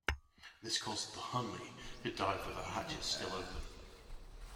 This caused the "Hunley" to dive with her hatches still open.